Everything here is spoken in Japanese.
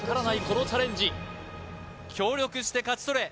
このチャレンジ協力して勝ち取れ！